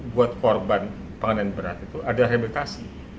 buat korban penganian berat itu ada rehabilitasi